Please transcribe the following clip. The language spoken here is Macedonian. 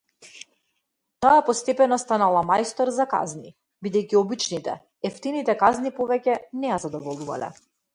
Таа постепено станала мајстор за казни, бидејќи обичните, евтините казни повеќе на ја задоволувале.